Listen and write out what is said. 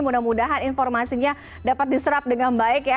mudah mudahan informasinya dapat diserap dengan baik ya